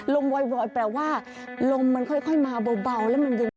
วอยแปลว่าลมมันค่อยมาเบาแล้วมันเย็น